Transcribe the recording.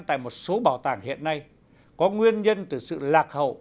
tại một số bảo tàng hiện nay có nguyên nhân từ sự lạc hậu